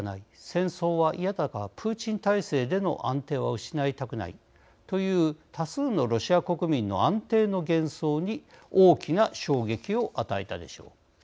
戦争は嫌だがプーチン体制での安定は失いたくないという多数のロシア国民の安定の幻想に大きな衝撃を与えたでしょう。